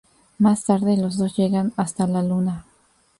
Más tarde, los dos llegan hasta la Luna.